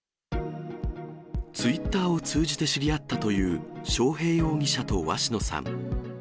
ツイッターを通じて知り合ったという章平容疑者と鷲野さん。